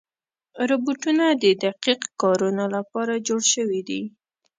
روبوټونه د دقیق کارونو لپاره جوړ شوي دي.